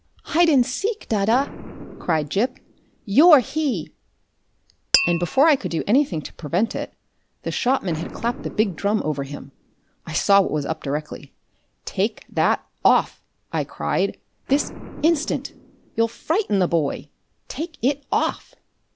"Hide and seek, dadda!" cried Gip. "You're He!" And before I could do anything to prevent it, the shopman had clapped the big drum over him. I saw what was up directly. "Take that off," I cried, "this instant! You'll frighten the boy. Take it off!"